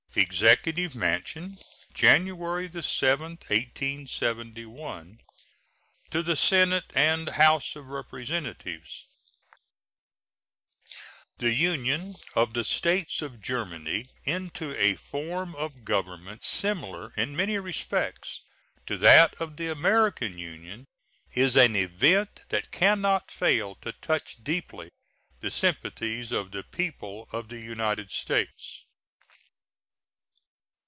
EXECUTIVE MANSION, February 7, 1871. To the Senate and House of Representatives: The union of the States of Germany into a form of government similar in many respects to that of the American Union is an event that can not fail to touch deeply the sympathies of the people of the United States.